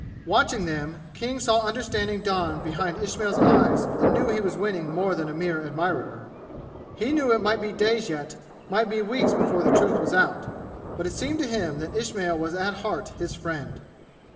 Watching them, King saw understanding dawn behind Ismail's eyes and knew he was winning more than a mere admirer. He knew it might be days yet, might be weeks before the truth was out, but it seemed to him that Ismail was at heart his friend.